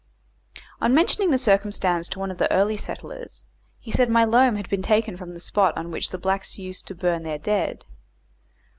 On mentioning the circumstance to one of the early settlers, he said my loam had been taken from the spot on which the blacks used to burn their dead.